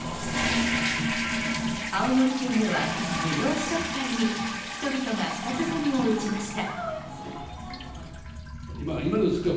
青森県では、無料試食会に人々が舌鼓を打ちました。